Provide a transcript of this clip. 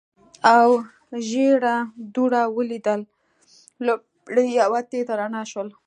او ژېړه دوړه ولیدل، لومړی یوه تېزه رڼا شول.